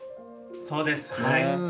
そうですはい。